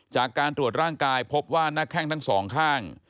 จากการตรวจร่างกายพบว่าหน้าแข้งทั้งสองข้าง